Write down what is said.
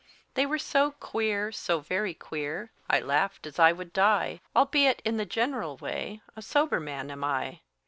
They were so queer, so very queer, I laughed as I would die; Albeit, in the general way, A sober man am I.